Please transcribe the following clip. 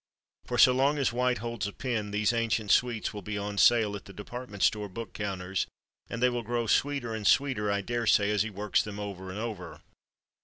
For so long as White holds a pen these ancient sweets will be on sale at the department store book counters, and they will grow sweeter and sweeter, I daresay, as he works them over and over.